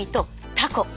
タコ。